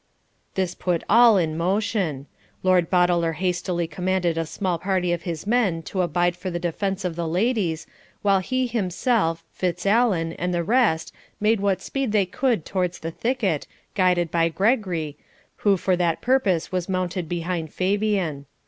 This put all in motion. Lord Boteler hastily commanded a small party of his men to abide for the defence of the ladies, while he himself, Fitzallen, and the rest made what speed they could towards the thicket, guided by Gregory, who for that purpose was mounted behind Fabian.